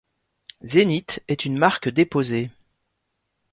Zénith est une marque déposée.